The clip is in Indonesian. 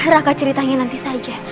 raka ceritanya nanti saja